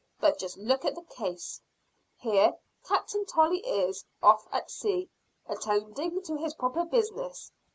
But just look at the case. Here Captain Tolley is, off at sea, attending to his proper business.